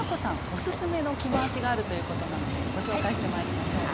オススメの着回しがあるということなのでご紹介してまいりましょう。